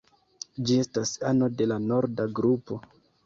Ĝi estas ano de la norda grupo.